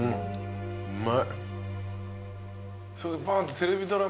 うまい。